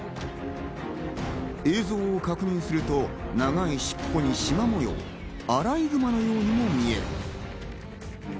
映像を確認すると長い尻尾に縞模様、アライグマのように見える。